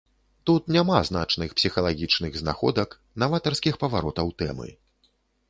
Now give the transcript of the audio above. Тут няма значных псіхалагічных знаходак, наватарскіх паваротаў тэмы.